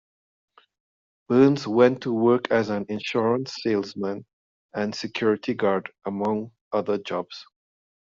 Burns went to work as an insurance salesman and security guard, among other jobs.